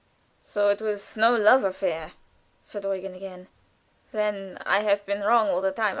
"So it was no love affair," said Eugen again. "Then I have been wrong all the time.